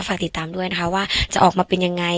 ฝากติดตามด้วยนะคะว่าจะออกมาเป็นยังไง